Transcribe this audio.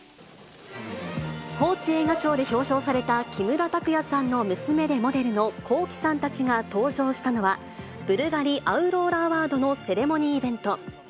報知映画賞で表彰された木村拓哉さんの娘でモデルのＫｏｋｉ，さんたちが登場したのは、ブルガリ・アウローラ・アワードのセレモニーイベント。